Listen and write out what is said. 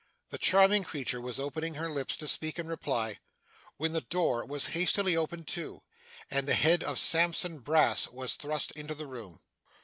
The charming creature was opening her lips to speak in reply, when the door was hastily opened too, and the head of Sampson Brass was thrust into the room.